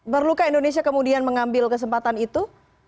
perlukah indonesia kemudian mengambil kesempatan itu